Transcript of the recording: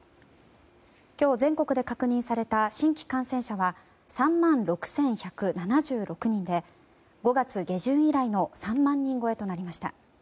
今日、全国で確認された新規感染者は３万６１７６人で５月下旬以来の３万人超えとなりました。